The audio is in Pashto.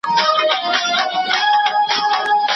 د څيړني لیکنه له عادي ليکني سخته وي.